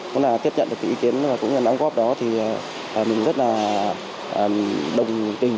cũng là tiếp nhận được ý kiến cũng như là nắm góp đó thì mình rất là đồng tình